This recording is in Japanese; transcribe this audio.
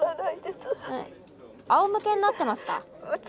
あおむけになってますか？